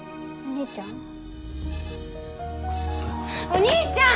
お兄ちゃん？